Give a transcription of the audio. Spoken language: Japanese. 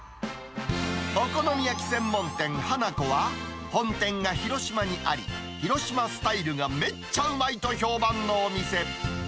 お好み焼き専門店花子は、本店が広島にあり、広島スタイルがめっちゃうまいと評判のお店。